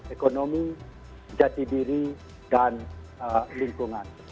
ekonomi jati diri dan lingkungan